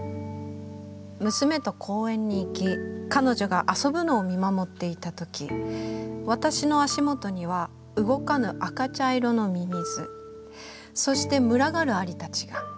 「娘と公園に行き彼女が遊ぶのを見守っていたとき私の足元には動かぬ赤茶色の蚯蚓そして群がる蟻たちが。